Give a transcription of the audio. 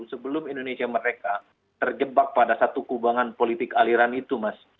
sebelum indonesia mereka terjebak pada satu kubangan politik aliran itu mas